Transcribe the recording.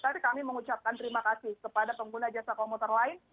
tapi kami mengucapkan terima kasih kepada pengguna jasa komuter lain